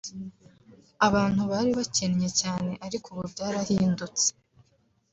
abantu bari bakennye cyane ariko ubu byarahindutse